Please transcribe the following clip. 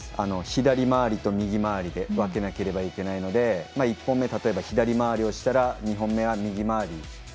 左回りと右回りで分けなければいけないので１本目、例えば左回りをしたら２本目は右回り。